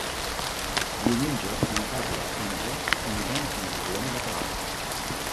Diumenge na Carla i na Bet aniran a Santa Coloma de Queralt.